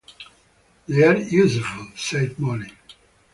“They are useful,” said Molly.